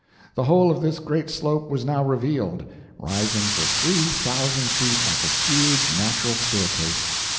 The whole of this great slope was now revealed, rising for three thousand feet like a huge natural staircase.